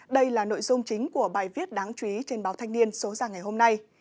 đây là nội dung chính của bài viết đáng chú ý trên báo thanh niên số ra ngày hôm nay